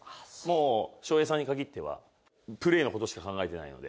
翔平さんに限ってはプレーのことしか考えていないので。